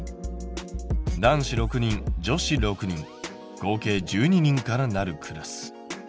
男子６人女子６人合計１２人からなるクラス。